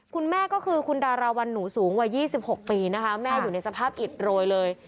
คุณแม่ก็คือคุณดาราวันหนูสูงวัย๒๖ปีนะคะแม่อยู่ในสภาพอิดโรยเลย